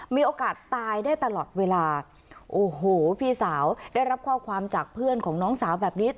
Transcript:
มีโอกาสตายได้ตลอดเวลาโอ้โหพี่สาวได้รับข้อความจากเพื่อนของน้องสาวแบบนี้